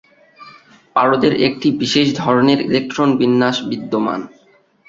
পারদের একটি বিশেষ ধরনের ইলেকট্রন বিন্যাস বিদ্যমান।